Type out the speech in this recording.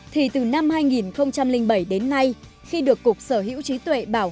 thì từ năm hai nghìn bảy đến nay khi được cục sở hữu trí tuệ bảo